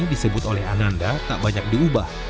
disebut oleh ananda tak banyak diubah